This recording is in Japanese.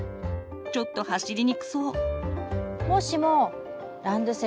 ちょっと走りにくそう。